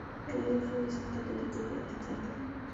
Rodolfo es un católico practicante.